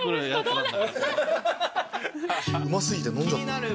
うま過ぎて飲んじゃった。